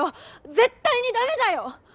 絶対に駄目だよ！